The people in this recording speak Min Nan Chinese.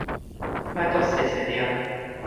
莫閣踅踅唸